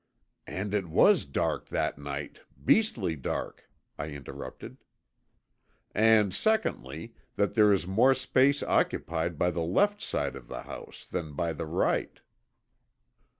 "And it was dark that night, beastly dark," I interrupted. "And secondly, that there is more space occupied by the left side of the house than by the right."